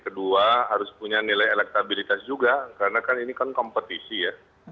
kedua harus punya nilai elektabilitas juga karena kan ini kan kompetisi ya